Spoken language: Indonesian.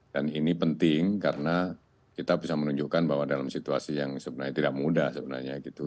dan ini penting karena kita bisa menunjukkan bahwa dalam situasi yang sebenarnya tidak mudah sebenarnya gitu